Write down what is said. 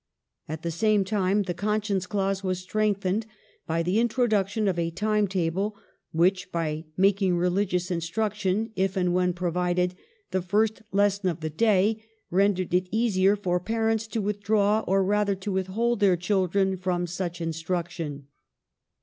At the same time the con science clause was strengthened by the introduction of a time table which, by making religious instruction (if and when provided) the first lesson of the day, rendered it easier for parents to withdraw, or rather to withhold, their children from such instruction.